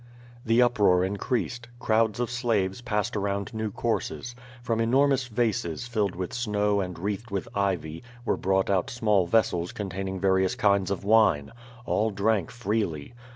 The uproar increased. Crowds of slaves passed around new courses. From enormous vases, filled with snow and wreathed with ivy, were brought out small vessels containing various kinds of wine. All drank freely.